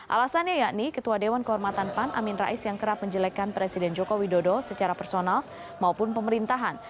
alasannya yakni ketua dewan kehormatan pan amin rais yang kerap menjelekan presiden joko widodo secara personal maupun pemerintahan